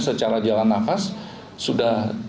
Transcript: secara jalan nafas sudah